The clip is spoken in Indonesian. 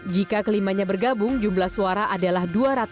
jika kelimanya bergabung jumlah suara adalah dua ratus delapan puluh dua